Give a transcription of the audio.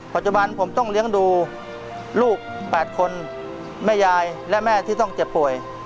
ปัจจุบันผมต้องเลี้ยงดูลูก๘คนแม่ยายและแม่ที่ต้องเจ็บป่วย